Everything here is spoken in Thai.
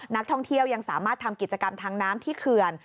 นักท่องเที่ยวยังสามารถทำกิจกรรมทางน้ำที่เขื่อน